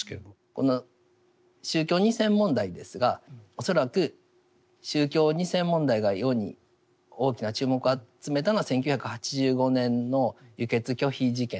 この宗教２世問題ですが恐らく宗教２世問題が世に大きな注目を集めたのは１９８５年の輸血拒否事件